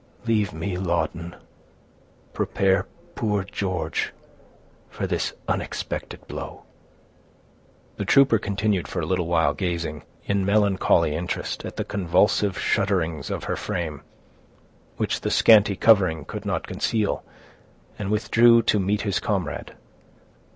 "Leave me, Lawton—prepare poor George for this unexpected blow." The trooper continued for a little while gazing, in melancholy interest, at the convulsive shudderings of her frame, which the scanty covering could not conceal, and withdrew to meet his comrade.